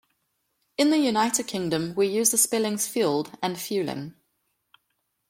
In the United Kingdom we use the spellings fuelled and fuelling.